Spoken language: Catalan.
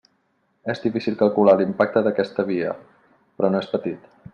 És difícil calcular l'impacte d'aquesta via, però no és petit.